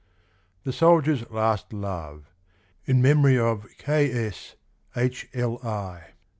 THE SOLDIER'S LAST LOVE. (In memory of K.S., H.L.I.)